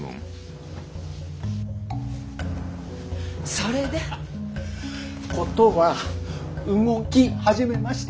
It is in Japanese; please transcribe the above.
それで？事は動き始めました。